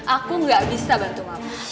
aku gak bisa bantu mama